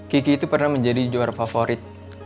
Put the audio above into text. kiki itu pernah menjadi juara favorit